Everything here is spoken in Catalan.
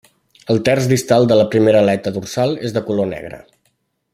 El terç distal de la primera aleta dorsal és de color negre.